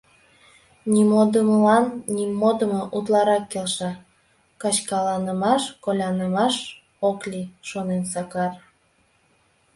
«Нимодымылан нимодымо утларак келша, качкаланымаш, колянымаш ок лий», — шонен Сакар.